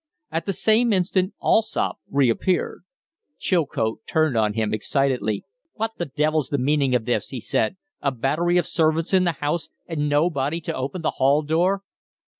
At the same instant Allsopp reappeared. Chilcote turned on him excitedly. "What the devil's the meaning of this?" he said. "A battery of servants in the house and nobody to open the hall door!"